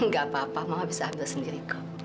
gak apa apa mama bisa ambil sendiri